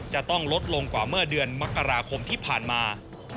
จะต้องลดลงกว่าเมื่อเดือนมกราคมที่ผ่านมา